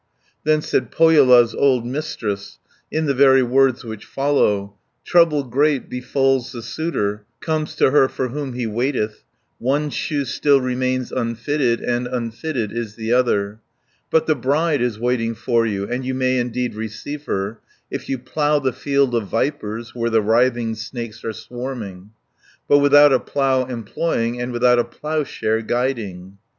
Then said Pohjola's old Mistress, In the very words which follow: "Trouble great befalls the suitor, Comes to her for whom he waiteth; One shoe still remains unfitted, And unfitted is the other; 20 But the bride is waiting for you, And you may indeed receive her, If you plough the field of vipers, Where the writhing snakes are swarming, But without a plough employing, And without a ploughshare guiding.